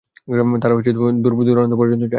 তারা দূর-দূরান্ত পর্যন্ত যায়।